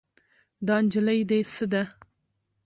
دا نجلۍ دې څه ده؟